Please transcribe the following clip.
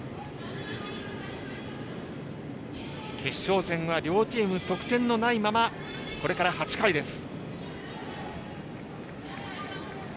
決勝戦は両チーム得点のないままこれから８回です。